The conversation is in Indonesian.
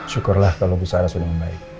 syukurlah kalau bicara sudah membaik